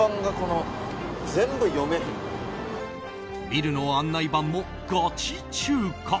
ビルの案内板もガチ中華。